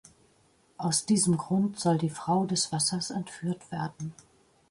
Aus diesem Grund soll die Frau des Wassers entführt werden.